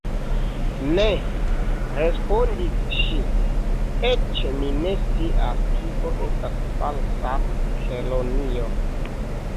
"Ne," respondis ŝi, "eĉ mi ne scias kio estas Falsa Kelonio."